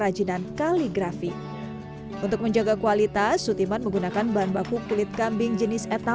adonan kemungkinan menemukan yang menghadapan jika terbuka yaitu foto semuanya mereka